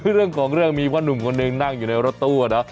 เรื่องของเรื่องมีว่านุ่มคนนึงนั่งอยู่ในรถตู้อะเนอะค่ะ